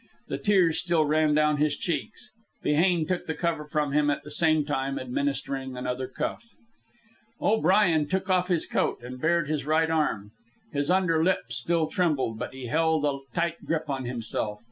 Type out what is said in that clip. The tears still ran down his cheeks. Behane took the cover from him, at the same time administering another cuff. O'Brien took off his coat and bared his right arm. His under lip still trembled, but he held a tight grip on himself.